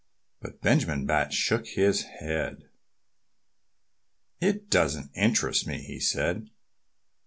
But Benjamin Bat shook his head. "It doesn't interest me," he said.